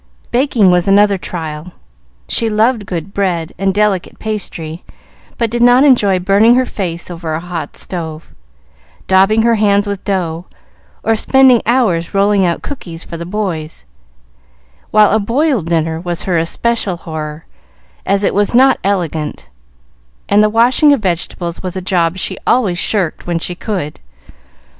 Baking was another trial: she loved good bread and delicate pastry, but did not enjoy burning her face over a hot stove, daubing her hands with dough, or spending hours rolling out cookies for the boys; while a "boiled dinner" was her especial horror, as it was not elegant, and the washing of vegetables was a job she always shirked when she could.